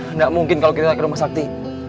tidak mungkin kalau kita ke rumah sakti